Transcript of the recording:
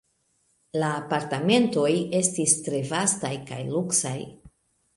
La apartamentoj estis tre vastaj kaj luksaj.